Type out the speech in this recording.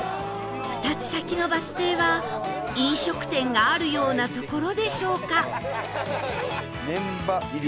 ２つ先のバス停は飲食店があるような所でしょうか？